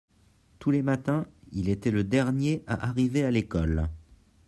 tous les matins il était le dernier à arriver à l'école.